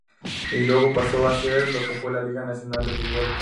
Y luego paso a ser lo que fue la Liga Nacional de Football.